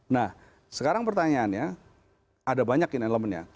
nah sekarang pertanyaannya ada banyak in elemennya